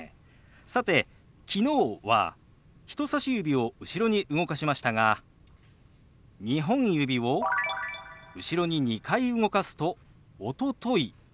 さて「昨日」は人さし指を後ろに動かしましたが２本指を後ろに２回動かすと「おととい」。